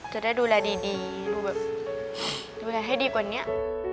จะได้ดูแลดีดูแบบดูแลให้ดีกว่านี้